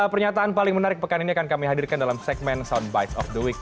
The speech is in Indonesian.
pernyataan paling menarik pekan ini akan kami hadirkan dalam segmen soundbite of the week